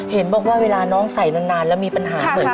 เห็นบอกว่าเวลาน้องใส่นานแล้วมีปัญหาเหมือน